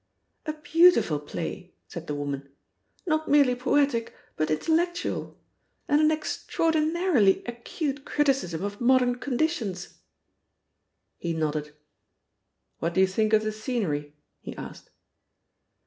"A beautiful play!" said the woman. "Not merely poetic, but intellectual. And an extraordinarily acute criticism of modern conditions!" He nodded. "What do you think of the scenery?" he asked.